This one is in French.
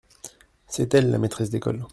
C’est elle la maîtresse d’école.